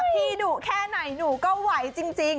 พี่หนูแค่ไหนหนูก็ไหวจริง